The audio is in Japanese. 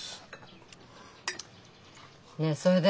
ねえそれで？